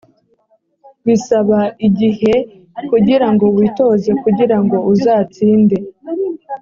bisaba igihe kugira ngo witoze kugira ngo uzatsinde